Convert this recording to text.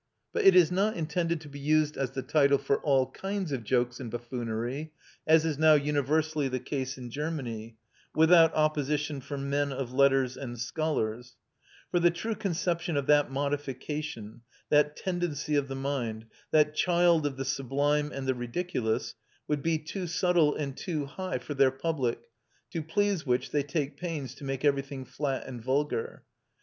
But it is not intended to be used as the title for all kinds of jokes and buffoonery, as is now universally the case in Germany, without opposition from men of letters and scholars; for the true conception of that modification, that tendency of the mind, that child of the sublime and the ridiculous, would be too subtle and too high for their public, to please which they take pains to make everything flat and vulgar.